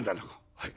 「はい。